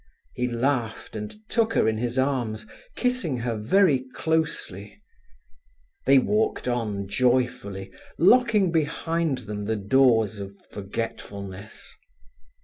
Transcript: He laughed, and took her in his arms, kissing her very closely. They walked on joyfully, locking behind them the doors of forgetfulness.